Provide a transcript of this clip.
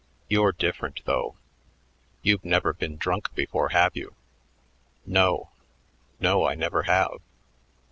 You're different, though.... You've never been drunk before, have you?" "No. No, I never have."